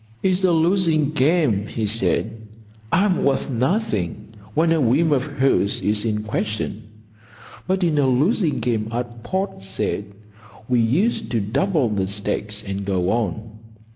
"It's a losing game," he said. "I'm worth nothing when a whim of hers is in question. But in a losing game at Port Said we used to double the stakes and go on.